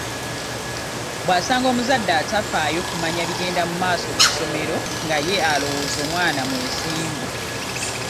Bwasanga omuzadde atafaayo kumanya bigenda mu maaso ku ssomero nga ye alowooza omwana mwesimbu.